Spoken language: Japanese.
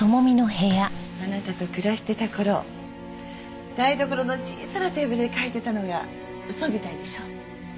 あなたと暮らしてた頃台所の小さなテーブルで書いてたのが嘘みたいでしょ？